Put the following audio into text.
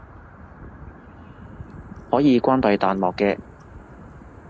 可以關閉彈幕嘅